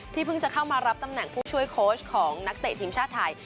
เพิ่งจะเข้ามารับตำแหน่งผู้ช่วยโค้ชของนักเตะทีมชาติไทย